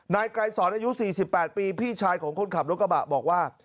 นายไกรศรในยุค๔๘ปีพี่ชายของคนขับรถกระบะบอกว่า